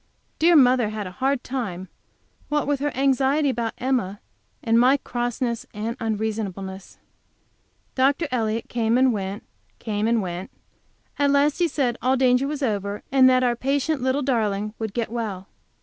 Dear mother had a hard time, what with her anxiety about Emma, and my crossness and unreasonableness. Dr. Elliott came and went, came and went. At last he said all danger was over, and that our patient little darling would get well.